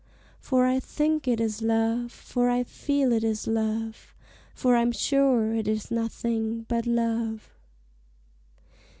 For I think it is Love, For I feel it is Love, For I'm sure it is nothing but Love!